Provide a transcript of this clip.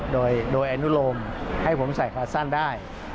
โดยอนุโลมให้ผมใส่ขาสั้นได้